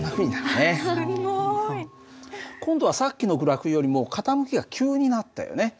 すごい。今度はさっきのグラフよりも傾きが急になったよね。